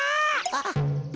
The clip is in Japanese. あっ。